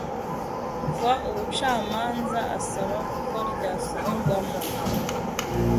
rw Ubucamanza asaba ko ryasubirwamo